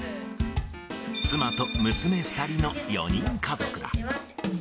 妻と娘２人の４人家族だ。